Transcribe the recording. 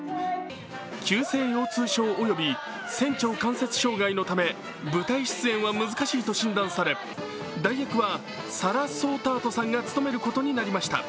急性腰痛症および仙腸関節障害のため舞台出演は難しいと診断され代役はサラ・ソータートさんが務めることになりました。